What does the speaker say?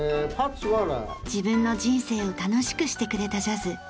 自分の人生を楽しくしてくれたジャズ。